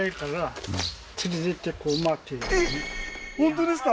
えっ本当ですか？